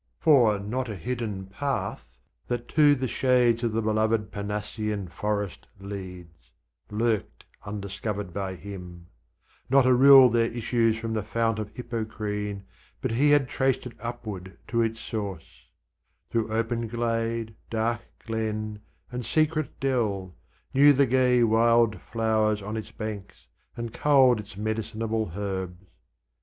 For not a hidden path, that to the shades Of the beloved Parnassian forest leads, Lurked undiscovered by him ; not a rill There issues from the fount of Hippocrene, But he had traced it upward to its source, Through open glade, dark glen, and secret dell, Knew the gay wild flowers on its banks, and culled Its med'cinable herbs.